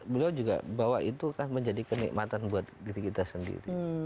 beliau juga bawa itu kan menjadi kenikmatan buat diri kita sendiri